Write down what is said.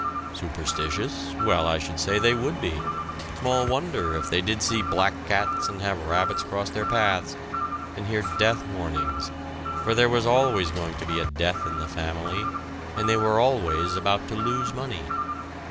Superstitious? Well, I should say they would be small wonder if they did see black cats and have rabbits cross their paths, and hear death warnings, for there was always going to be a death in the family, and they were always about to lose money!